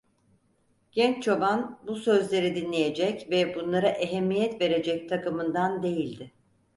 Genç çoban, bu sözleri dinleyecek ve bunlara ehemmiyet verecek takımından değildi.